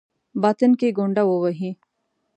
باطن کې ګونډه ووهي.